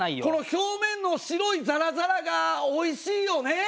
この表面の白いザラザラがおいしいよね。